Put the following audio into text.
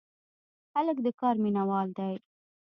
هلک د کار مینه وال دی.